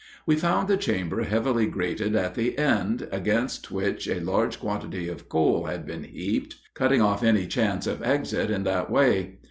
We found the chamber heavily grated at the end, against which a large quantity of coal had been heaped, cutting off any chance of exit in that way.